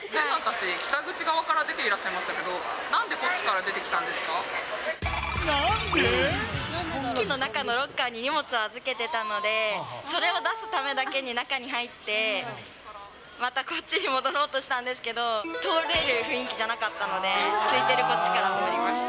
北口から出ていらっしゃいましたけど、なんでこっちから出てきた駅の中のロッカーに荷物預けてたので、それを出すためだけに中に入って、またこっちに戻ろうとしたんですけど、通れる雰囲気じゃなかったので、空いてるこっちから通りました。